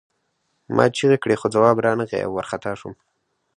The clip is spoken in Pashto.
ما چیغې کړې خو ځواب را نغی او وارخطا شوم